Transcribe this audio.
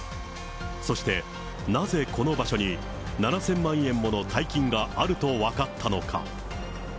そしてなぜこの場所に、７０００万円もの大金があると分かったのか。